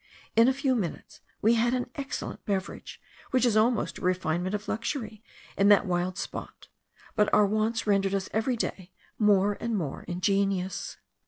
In a few minutes we had an excellent beverage, which is almost a refinement of luxury, in that wild spot; but our wants rendered us every day more and more ingenious.